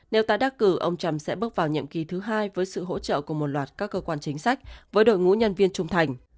nếu ta đắc cử ông trump sẽ bước vào nhiệm kỳ thứ hai với sự hỗ trợ của một loạt các cơ quan chính sách với đội ngũ nhân viên trung thành